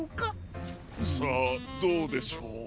さあどうでしょう？